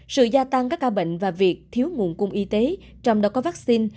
sự gia tăng các ca bệnh và việc thiếu nguồn cung y tế trong đó có vaccine